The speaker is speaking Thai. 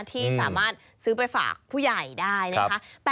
ที่สามารถซื้อไปฝากผู้ใหญ่ได้นะคะ